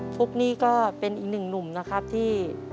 ฟุ๊กนี่ก็เป็นอีกหนึ่งหนุ่มนะครับที่